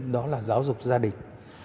đó là giáo dục gia đình